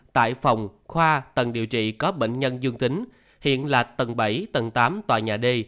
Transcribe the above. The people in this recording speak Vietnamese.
tại phòng khoa tầng điều trị có bệnh nhân dương tính hiện là tầng bảy tầng tám tòa nhà d